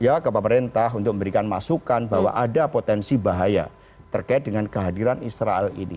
ya ke pemerintah untuk memberikan masukan bahwa ada potensi bahaya terkait dengan kehadiran israel ini